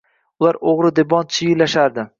Ular o‘g‘ri debon chiyillashardi.